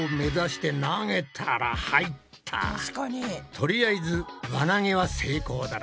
とりあえず輪投げは成功だな。